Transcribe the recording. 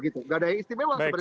tidak ada yang istimewa